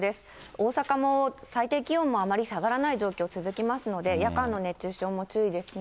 大阪も最低気温もあまり下がらない状況続きますので、夜間の熱中症も注意ですね。